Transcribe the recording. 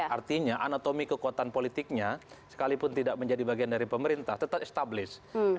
artinya anatomi kekuatan politiknya sekalipun tidak menjadi bagian dari pemerintah tetap established